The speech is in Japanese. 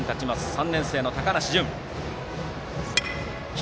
３年生の高梨純。